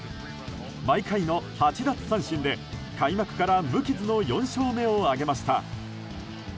毎回の８奪三振で開幕から無傷の４勝目を挙げました。